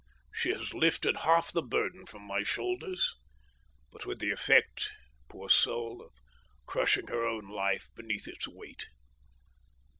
She has lifted half the burden from my shoulders, but with the effect, poor soul, of crushing her own life beneath its weight!